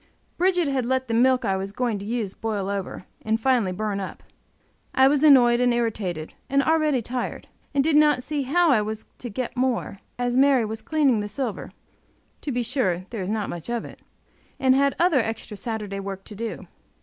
Bridget had let the milk I was going to use boil over, and finally burn up. I was annoyed and irritated, and already tired, and did not see how I was to get more, as Mary was cleaning the silver (to be sure, there is not much of it), and had other extra Saturday work to do.